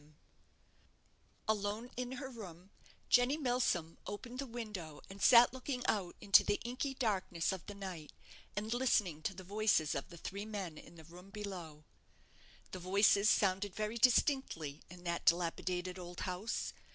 Alone in her room, Jenny Milsom opened the window, and sat looking out into the inky darkness of the night, and listening to the voices of the three men in the room below. The voices sounded very distinctly in that dilapidated old house.